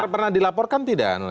pernah dilaporkan tidak